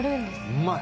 うまい！